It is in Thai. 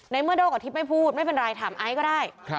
ในเมื่อโด้กับทิพย์ไม่พูดไม่เป็นไรถามไอซ์ก็ได้